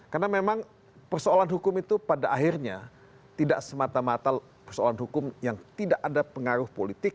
karena memang persoalan hukum itu pada akhirnya tidak semata mata persoalan hukum yang tidak ada pengaruh politik